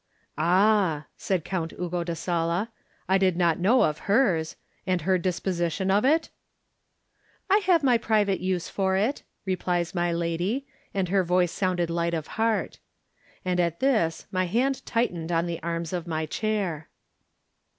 "Ah!" said Count Ugo da Sala, *^I did not know of hers. And her disposition of it?" "I have my private use for it," replies my lady, and her voice sounded light of heart. 5 6S Digitized by Google THE NINTH MAN And at this my hand tightened on the arms of my chair.